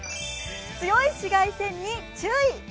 強い紫外線に注意。